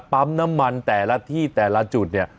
ปั๊มน้ำมันแต่ละที่แต่ละจุดเนี่ย